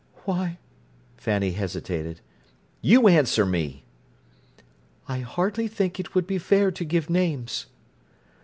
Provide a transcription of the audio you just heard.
"Why—" Fanny hesitated. "You answer me!" "I hardly think it would be fair to give names."